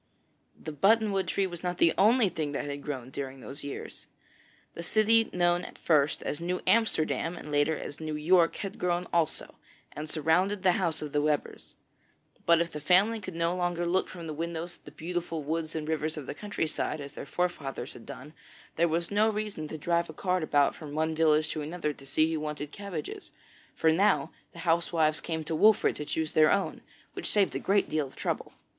The button wood tree was not the only thing that had grown during those years. The city known at first as 'New Amsterdam,' and later as 'New York,' had grown also, and surrounded the house of the Webbers. But if the family could no longer look from the windows at the beautiful woods and rivers of the countryside, as their forefathers had done, there was no reason to drive a cart about from one village to another to see who wanted cabbages, for now the housewives came to Wolfert to choose their own, which saved a great deal of trouble.